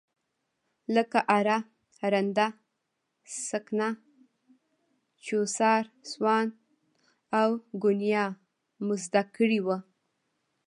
لکه اره، رنده، سکنه، چوسار، سوان او ګونیا مو زده کړي وو.